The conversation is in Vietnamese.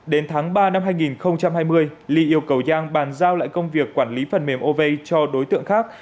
đến tháng ba năm hai nghìn hai mươi ly yêu cầu giang bàn giao lại công việc quản lý phần mềm ov cho đối tượng khác